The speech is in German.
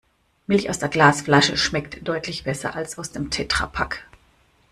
Milch aus der Glasflasche schmeckt deutlich besser als aus dem Tetrapack.